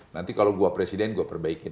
nanti kalau gue presiden gue perbaikin